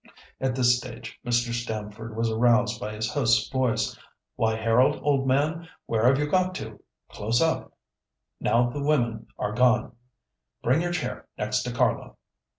At this stage Mr. Stamford was aroused by his host's voice. "Why, Harold, old man, where have you got to? Close up, now the women are gone. Bring your chair next to Carlo."